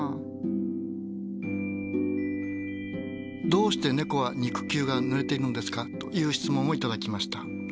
「どうしてねこは肉球がぬれているのですか？」という質問を頂きました。